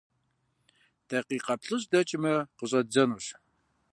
Дакъикъэ плӀыщӀ дэкӀмэ, къыщӀэддзэнущ.